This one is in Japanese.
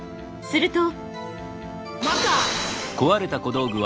すると。